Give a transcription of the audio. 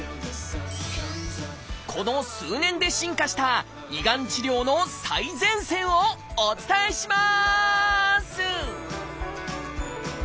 この数年で進化した胃がん治療の最前線をお伝えします！